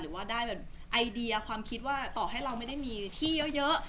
หรือว่าได้แบบไอเดียความคิดว่าต่อให้เราไม่ได้มีที่เยอะ